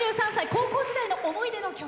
高校時代の思い出の曲。